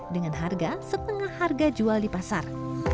dengan harga setengah harga jual di pasar